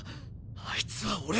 あいつは俺が。